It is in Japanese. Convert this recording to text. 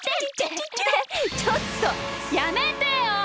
ちょっとやめてよ！